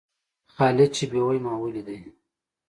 خالد چې بېوى؛ ما وليدئ.